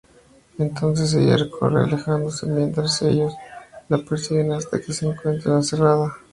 Entonces ella corre alejándose mientras ellos la persiguen hasta que se encuentra encerrada.